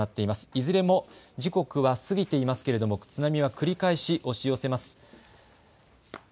いずれも時刻は過ぎていますけれども津波は繰り返し押し寄せます。